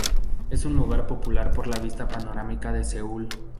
Es un lugar popular por la vista panorámica de Seúl.